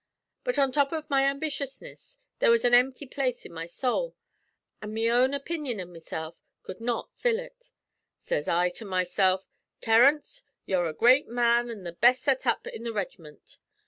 But on top o' my ambitiousness there was an empty place in my sowl, an' me own opinion av mesilf cud not fill ut.' Sez I to mesilf: 'Terence, you're a great man an' the best set up in the reg'ment.